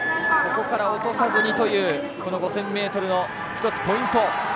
ここから落とさずにという５０００ｍの１つポイント。